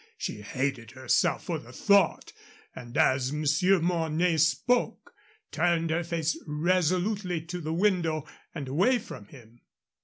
She hated herself for the thought, and, as Monsieur Mornay spoke, turned her face resolutely to the window and away from him.